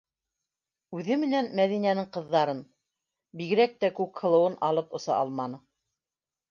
Үҙе менән Мәҙинәнең ҡыҙҙарын, бигерәк тә Күкһылыуын алып оса алманы.